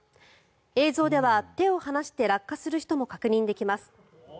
映像では、手を離して落下する人も確認できます。